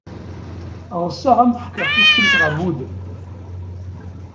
Ɣseɣ ad am-fkeɣ tukkimt ɣer wudem.